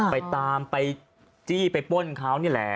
ไปตามไปจี้ไปป้นเขานี่แหละ